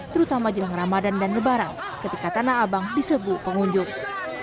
terutama jelang ramadan dan lebaran ketika tanah abang disebut pengunjung